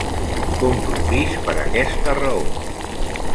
Compro pis per aquesta raó.